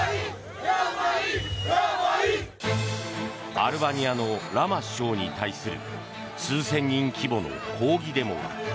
アルバニアのラマ首相に対する数千人規模の抗議デモが。